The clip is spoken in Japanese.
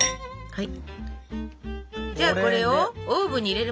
はい！